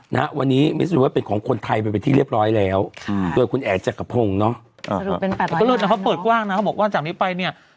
แต่ก็เลยเธอเปิดกว้างนะเธอบอกว่าจากนี้ไปนี่